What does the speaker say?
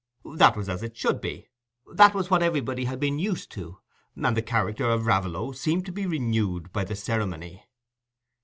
That was as it should be—that was what everybody had been used to—and the charter of Raveloe seemed to be renewed by the ceremony.